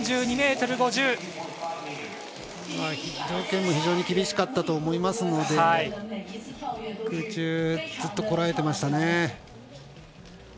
条件も非常に厳しかったと思いますので空中、ずっとこらえてましたね。